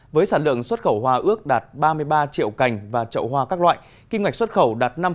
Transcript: với sản lượng xuất khẩu hoa ước đạt ba mươi ba triệu cành và trậu hoa các loại kinh hoạch xuất khẩu đạt năm một triệu usd